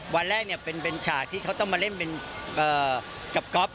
วันแรกเป็นฉากที่เขาต้องมาเล่นเป็นกับก๊อฟ